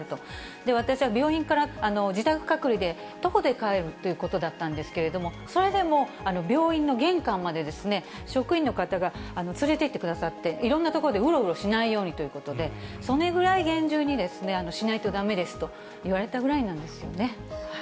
で、私は病院から自宅隔離で、徒歩で帰るということだったんですけども、それでも病院の玄関まで、職員の方が連れていってくださって、いろんな所でうろうろしないようにということで、そのぐらい厳重にしないとだめですと言われたぐらいなんですよね。